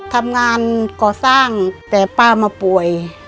ทำงานก่อสร้างแต่ป้ามาป่วย